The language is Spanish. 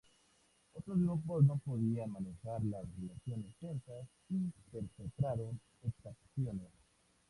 Otros grupos no podían manejar las relaciones tensas y perpetraron exacciones.